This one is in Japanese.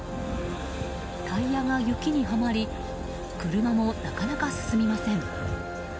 タイヤが雪にはまり車もなかなか進みません。